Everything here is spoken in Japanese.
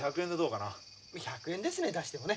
１００円ですね出してもね。